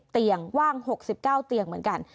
เตียงว่าง๖๙เตียงเหมือนกัน